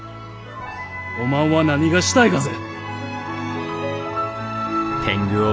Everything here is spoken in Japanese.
おまんは何がしたいがぜ？